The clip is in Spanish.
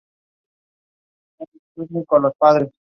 Alberga un museo y la oficina turística de la ciudad Villeneuve-d'Ascq.